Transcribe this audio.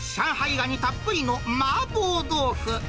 ガニたっぷりの麻婆豆腐。